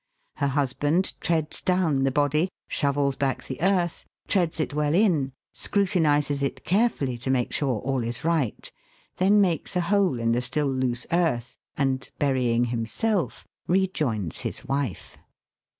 Her husband treads down the body, shovels back the earth, treads it well in, scrutinises it carefully to make sure all is right, then makes a hole in the still loose earth and, burying himself, rejoins his wife.